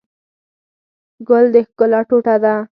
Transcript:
ګل د ښکلا ټوټه ده.